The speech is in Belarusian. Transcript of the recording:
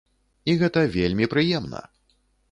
І гэта вельмі прыемна!